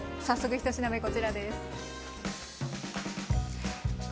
早速１品目こちらです。